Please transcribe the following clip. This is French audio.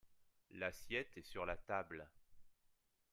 l'assiette est sur la table.